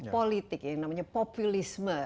politik yang namanya populisme